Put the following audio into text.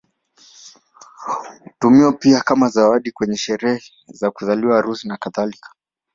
Hutumiwa pia kama zawadi kwenye sherehe za kuzaliwa, harusi, nakadhalika.